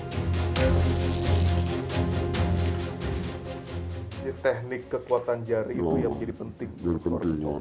jadi teknik kekuatan jari itu yang menjadi penting